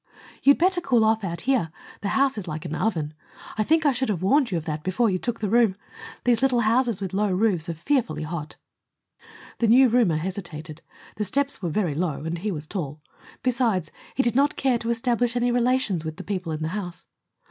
"You'd better cool off out here. The house is like an oven. I think I should have warned you of that before you took the room. These little houses with low roofs are fearfully hot." The new roomer hesitated. The steps were very low, and he was tall. Besides, he did not care to establish any relations with the people in the house.